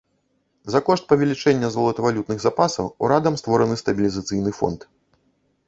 За кошт павелічэння золатавалютных запасаў урадам створаны стабілізацыйны фонд.